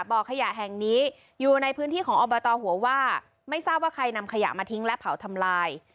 บ่อขยะแห่งนี้อยู่ในพื้นที่ของอบตหัวว่าไม่ทราบว่าใครนำขยะมาทิ้งและเผาทำลาย